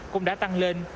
cũng đã tăng lên